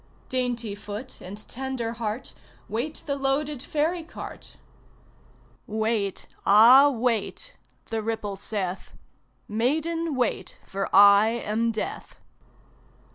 Dainty foot and tender heart, Wait the loaded ferry cart. "Wait, ah, wait!" the ripple saith; "Maiden, wait, for I am Death!"